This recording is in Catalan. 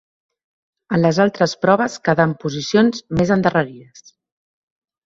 En les altres proves quedà en posicions més endarrerides.